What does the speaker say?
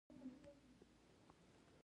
د ننوتلو اجازه